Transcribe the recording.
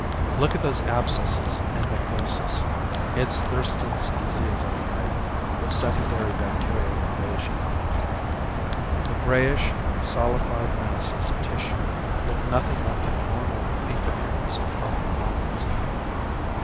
"Look at those abscesses and necrosis. It's Thurston's Disease, all right, with secondary bacterial invasion." The grayish solidified masses of tissue looked nothing like the normal pink appearance of healthy lungs.